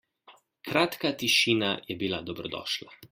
Kratka tišina je bila dobrodošla.